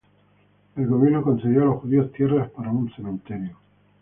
El gobierno concedió a los judíos tierra para un cementerio.